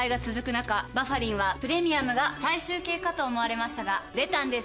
中「バファリン」はプレミアムが最終形かと思われましたが出たんです